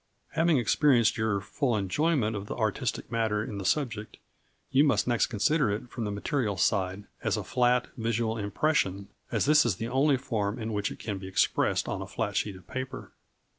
Having experienced your full enjoyment of the artistic matter in the subject, you must next consider it from the material side, as a flat, visual impression, as this is the only form in which it can be expressed on a flat sheet of paper.